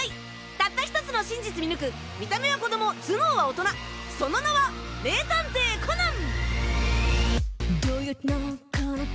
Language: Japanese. たった１つの真実見抜く見た目は子供頭脳は大人その名は名探偵コナン！